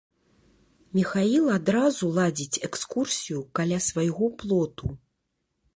Міхаіл адразу ладзіць экскурсію каля свайго плоту.